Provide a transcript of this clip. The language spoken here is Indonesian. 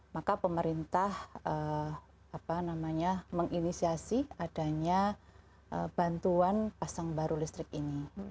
maka pemerintah menginisiasi adanya bantuan pasang baru listrik ini